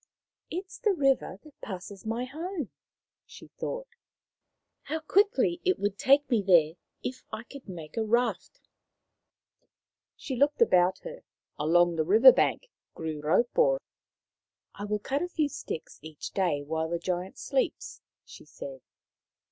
" It is the river that passes my home," she thought. " How quickly it would take me there. If I could make a raft !" She looked about her. Along the river bank The Giant in the Cave 187 grew raupo. " I will cut a few sticks each day while the Giant sleeps," she said.